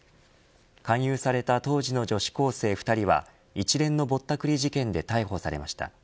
勧誘された当時の女子高生２人は一連のぼったくり事件で逮捕されました。